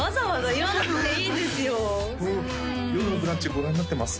ご覧になってます？